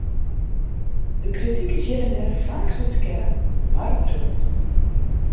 De krityk is hjir en dêr faaks wat skerp, mar oprjocht.